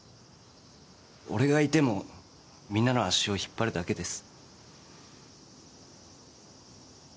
俺がいてもみんなの足を引っ張るだけです。